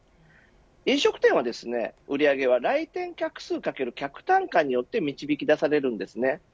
飲食店は、売り上げは来店客数×客単価によって導き出されます。